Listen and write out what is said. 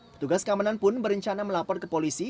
petugas keamanan pun berencana melapor ke polisi